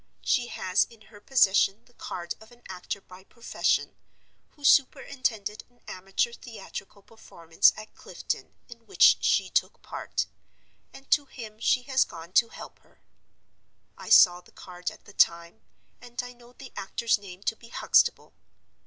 She has in her possession the card of an actor by profession, who superintended an amateur theatrical performance at Clifton, in which she took part; and to him she has gone to help her. I saw the card at the time, and I know the actor's name to be Huxtable.